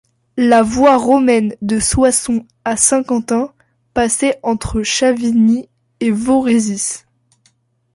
La voie romaine de Soissons à Saint-Quentin, passait entre Chavigny et Vauxrezis.